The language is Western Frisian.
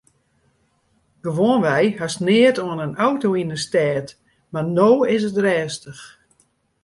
Gewoanwei hast neat oan in auto yn 'e stêd mar no is it rêstich.